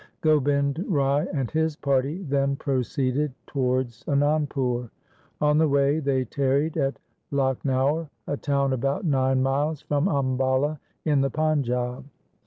Gobind Rai and his party then proceeded towards Anandpur. On the way they tarried at Lakhnaur, a town about nine miles from Ambala in the Panjab.